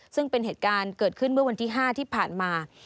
ซึ่งเป็นเหตุการณ์เกิดขึ้นเมื่อวันที่๕ที่ผ่านมา